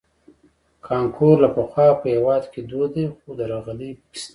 کانکور له پخوا په هېواد کې دود دی خو درغلۍ پکې شته